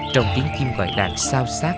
trong tiếng chim gọi đàn sao sát